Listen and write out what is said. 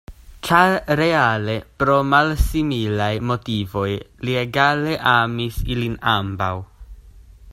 Ĉar reale, pro malsimilaj motivoj, li egale amis ilin ambaŭ.